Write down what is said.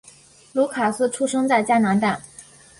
卢卡斯出生在加拿大。